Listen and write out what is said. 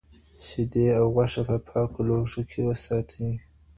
شیدې او غوښه په پاکو لوښو کې وساتئ.